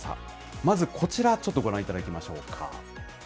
まず、こちらちょっと、ご覧いただきましょうか。